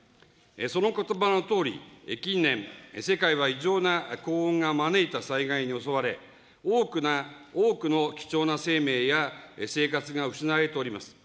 そのことばのとおり、近年、世界は異常な高温が招いた災害に襲われ、多くの貴重な生命や生活が失われております。